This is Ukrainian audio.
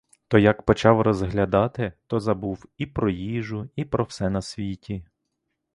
Та як почав розглядати, то забув і про їжу, і про все на світі.